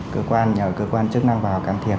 cơ quan nhờ cơ quan chức năng vào càng thiệt